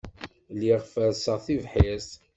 Lliɣ ferrseɣ tibḥirt.